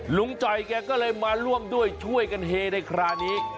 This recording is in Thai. จ่อยแกก็เลยมาร่วมด้วยช่วยกันเฮในคราวนี้